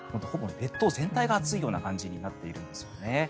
列島全体が暑いという感じになっているんですね。